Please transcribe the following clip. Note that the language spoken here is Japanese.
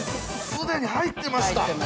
◆既に入ってました。